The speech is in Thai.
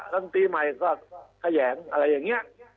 ลำตีใหม่ก็แขยงอะไรอย่างนี้